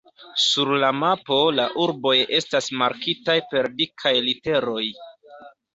Sur la mapo la urboj estas markitaj per dikaj literoj.